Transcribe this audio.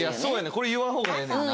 これ言わん方がええねんな。